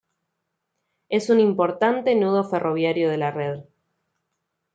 Es un importante nudo ferroviario de la red.